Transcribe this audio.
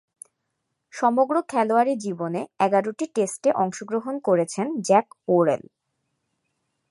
সমগ্র খেলোয়াড়ী জীবনে এগারোটি টেস্টে অংশগ্রহণ করেছেন জ্যাক ওরেল।